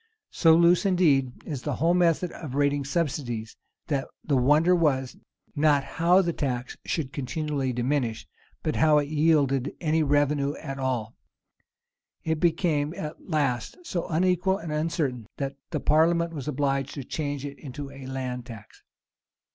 So loose, indeed, is the whole method of rating subsidies, that the wonder was, not how the tax should continually diminish, but how it yielded any revenue at all. It became at last so unequal and uncertain, that the parliament was obliged to change it into a land tax.